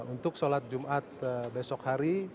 untuk sholat jumat besok hari